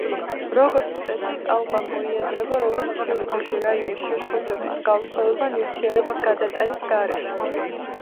როგორც წესი ტალღა მოიაზრება როგორც სივრცეში რაიმე შეშფოთების გავრცელება ნივთიერების გადატანის გარეშე.